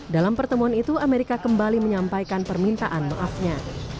dalam pertemuan itu amerika kembali menyampaikan permintaan maafnya